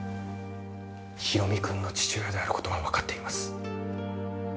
広見君の父親であることは分かっています